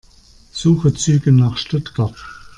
Suche Züge nach Stuttgart.